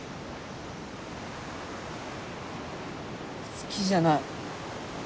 好きじゃない。